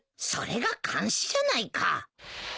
それが監視じゃないか。